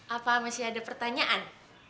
apa masih ada pertanyaan